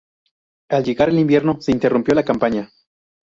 Al llegar el invierno se interrumpió la campaña.